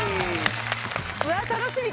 うわ楽しみ